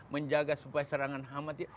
menjaga supaya serangan hamat